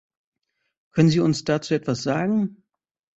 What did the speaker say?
Können Sie uns dazu etwas sagen?